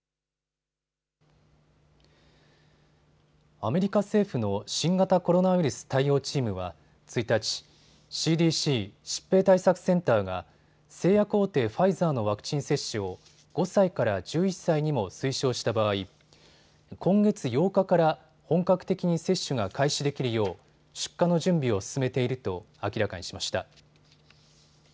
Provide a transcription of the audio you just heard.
アメリカ政府の新型コロナウイルス対応チームは１日、ＣＤＣ・疾病対策センターが製薬大手ファイザーのワクチン接種を５歳から１１歳にも推奨した場合、今月８日から本格的に接種が開始できるよう出荷の準備を進めていると明らかにしました。